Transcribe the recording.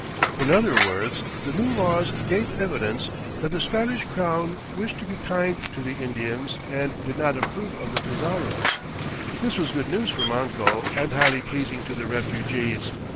In other words, the New Laws gave evidence that the Spanish crown wished to be kind to the Indians and did not approve of the Pizarros. This was good news for Manco and highly pleasing to the refugees.